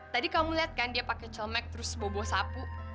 tadi kamu liat kan dia pake celemek terus bobo sapu